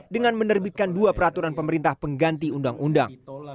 dengan menerbitkan dua peraturan pemerintah pengganti undang undang